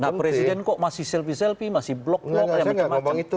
nah presiden kok masih selfie selfie masih blok blok yang macam macam